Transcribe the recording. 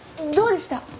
どうでした？